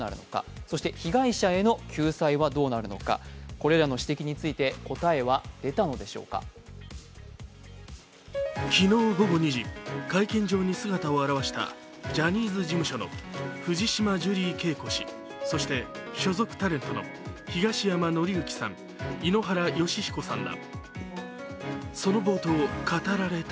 これらの指摘について答えは出たのでしょうか昨日午後２時、会見場に姿を現したジャニーズ事務所の藤島ジュリー景子氏そして所属タレントの東山紀之さん、井ノ原快彦さんら。